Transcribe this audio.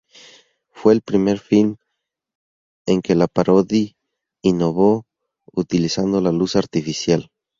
Fue el primer film en la que Parodi innovó utilizando la luz artificial.